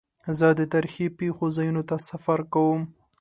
زه د تاریخي پېښو ځایونو ته سفر کوم.